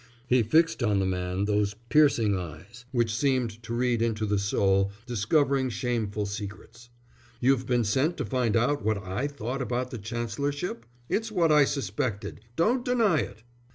He fixed on the man those piercing eyes which seemed to read into the soul, discovering shameful secrets. "You've been sent to find out what I thought about the Chancellorship? It's what I suspected. Don't deny it!"